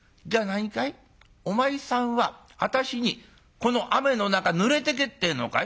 お前さんは私にこの雨の中ぬれてけって言うのかい？」。